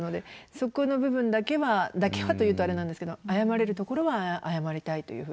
そこの部分だけはだけはと言うとあれなんですけど謝れるところは謝りたいというふうに思いましたね。